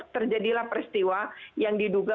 terjadilah peristiwa yang diduga